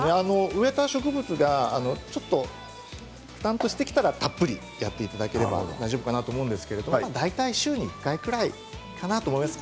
植えた植物がくたっとしてきたらたっぷりやっていただければ大丈夫かなと思うんですけど大体、週に１回ぐらいかなと思います。